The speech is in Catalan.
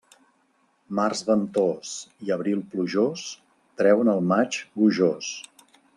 Març ventós i abril plujós treuen el maig gojós.